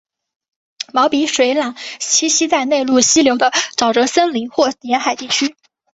毛鼻水獭栖息在内陆溪流的沼泽森林或沿海地区。